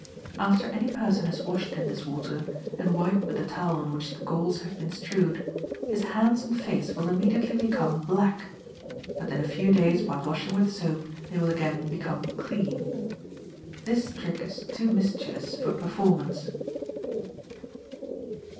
After any person has washed in this water, and wiped with the towel on which the galls have been strewed, his hands and face will immediately become black; but in a few days by washing with soap they will again become clean. This trick is too mischievous for performance.